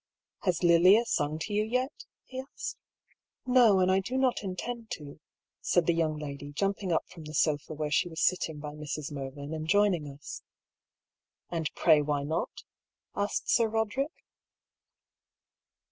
" Has Lilia sung to you yet?" he asked. " No, and I do. not intend to," said the, young lady, EXTRACT FROM DIARY OP HUGH PAULL. 41 jumping up from the sofa where she was sitting by Mrs. Mervyn, and joining us. "And pray why not?" asked Sir Roderick.